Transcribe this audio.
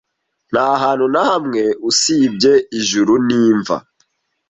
Ntahantu na hamwe, usibye ijuru n'imva.